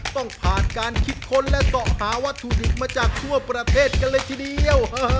ต้องผ่านการคิดค้นและต่อหาวัตถุดิบมาจากทั่วประเทศกันเลยทีเดียว